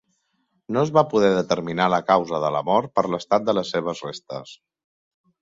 No es va poder determinar la causa de la mort per l'estat de les seves restes.